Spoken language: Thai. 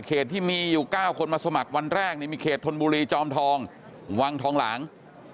ที่มีอยู่๙คนมาสมัครวันแรกมีเขตธนบุรีจอมทองวังทองหลาง